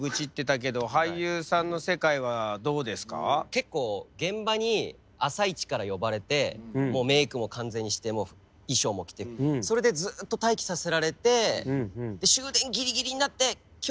結構現場に朝一から呼ばれてもうメークも完全にして衣装も着てそれでずっと待機させられてええ！？